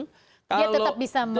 dia tetap bisa memiliki